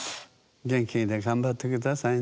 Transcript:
元気で頑張って下さいね。